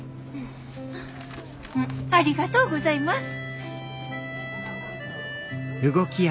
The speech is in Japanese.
ありがとうございます。